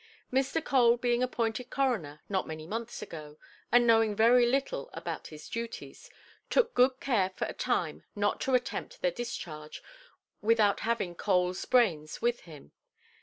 Mr. Cole being appointed coroner, not many months ago, and knowing very little about his duties, took good care for a time not to attempt their discharge without having "Coleʼs brains" with him.